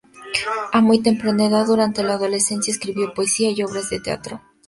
A muy temprana edad, durante la adolescencia, escribió poesía y obras de teatro.